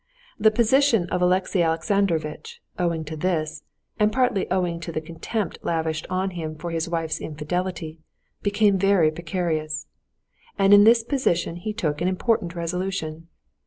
The position of Alexey Alexandrovitch, owing to this, and partly owing to the contempt lavished on him for his wife's infidelity, became very precarious. And in this position he took an important resolution.